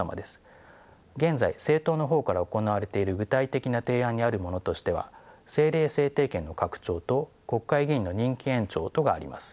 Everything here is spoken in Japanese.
現在政党の方から行われている具体的な提案にあるものとしては政令制定権の拡張と国会議員の任期延長とがあります。